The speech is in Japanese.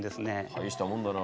大したもんだな。